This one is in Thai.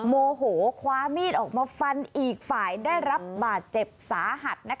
โมโหคว้ามีดออกมาฟันอีกฝ่ายได้รับบาดเจ็บสาหัส